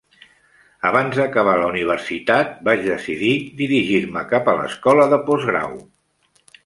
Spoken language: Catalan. Abans d'acabar la universitat, vaig decidir dirigir-me cap a l'escola de postgrau.